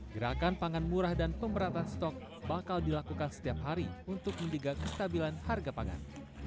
gerakan pangan murah dan pemberatan stok bakal dilakukan setiap hari untuk menjaga kestabilan harga pangan